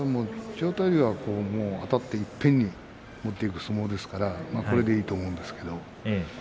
千代大龍はあたっていっぺんに持っていく相撲ですからこれでいいと思うんですけど